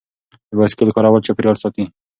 د بایسکل کارول چاپیریال ساتي.